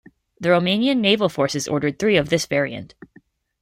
The Romanian Naval Forces ordered three of this variant.